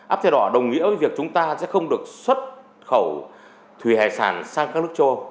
áp xe đỏ đồng nghĩa với việc chúng ta sẽ không được xuất khẩu thủy hải sản sang các nước châu